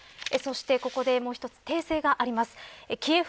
そして、ここでもう一つ訂正があります。